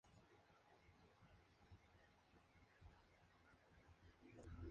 Morrow volvió a la tierra para unirse a los nuevos Invasores.